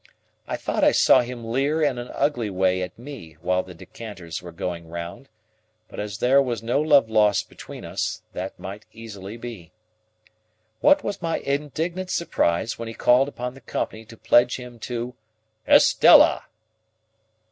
I thought I saw him leer in an ugly way at me while the decanters were going round, but as there was no love lost between us, that might easily be. What was my indignant surprise when he called upon the company to pledge him to "Estella!"